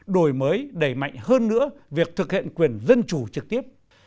đổi mới đẩy mạnh hơn nữa việc thực hiện quyền dân chủ trực tiếp